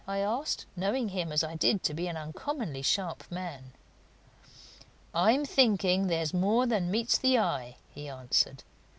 I asked, knowing him as I did to be an uncommonly sharp man. "I'm thinking there's more than meets the eye," he answered.